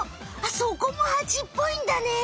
そこもハチっぽいんだね！